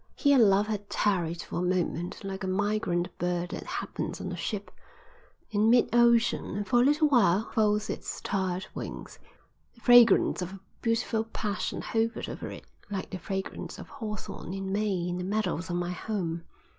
Here love had tarried for a moment like a migrant bird that happens on a ship in mid ocean and for a little while folds its tired wings. The fragrance of a beautiful passion hovered over it like the fragrance of hawthorn in May in the meadows of my home.